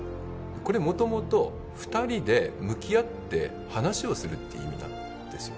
これ、もともと２人で向き合って話をするって意味なんですよ。